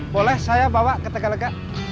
boleh saya bawa ke tegalega